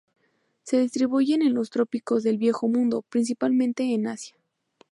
Se distribuyen en los trópicos del Viejo Mundo, principalmente en Asia.